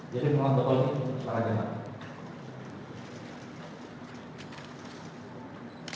jadi pengontrol ini secara jelas